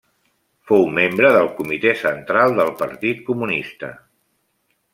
Fou membre del Comitè Central del Partit Comunista.